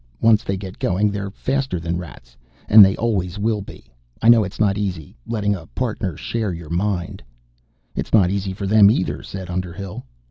Once they get going, they're faster than Rats. And they always will be. I know it's not easy, letting a Partner share your mind " "It's not easy for them, either," said Underhill.